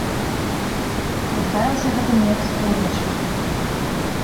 Здарылася гэта неяк з поўначы.